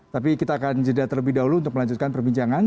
tapi kita akan jeda terlebih dahulu untuk melanjutkan perbincangan